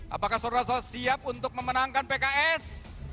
apakah saudara so siap untuk memenangkan pks